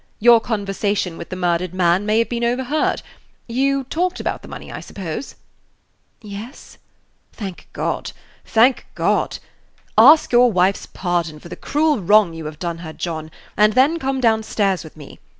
Your conversation with the murdered man may have been overheard. You talked about the money, I suppose?" "Yes." "Thank God, thank God! Ask your wife's pardon for the cruel wrong you have done her, John, and then come down stairs with me.